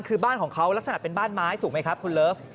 คือบ้านของเขาลักษณะเป็นบ้านไม้ถูกไหมครับคุณเลิฟ